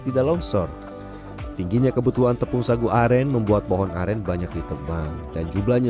tidak longsor tingginya kebutuhan tepung sagu aren membuat pohon aren banyak ditebang dan jumlahnya